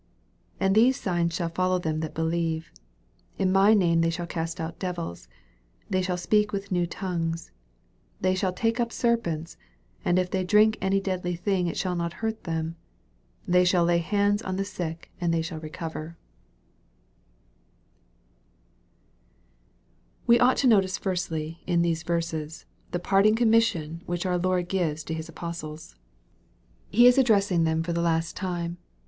17 And these signs shall follow them that beUeve ; In my name shall they cast out devils; they shall speak with new tongues ; 18 They shall take up serpents ; and if they drink any deadly thing, it shall not hurt them ; they shall laj hands on the sick and they shaJ MARK, CHAP. XVI. 863 WE ought to notice, firstly, in these verses, the parting commission which our Lord gives to His apostles. He is addressing them for the last time.